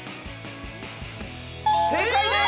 正解です！